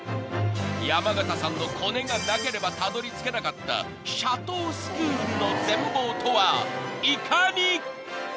［山縣さんのコネがなければたどりつけなかったシャトースクールの全貌とはいかに］